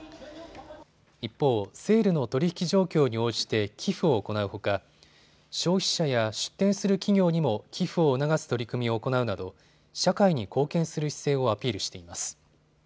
一方、セールの取引状況に応じて寄付を行うほか消費者や出店する企業にも寄付を促す取り組みを行うなど社会に貢献する姿勢をアピールしています。